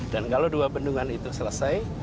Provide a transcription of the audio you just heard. kalau dua bendungan itu selesai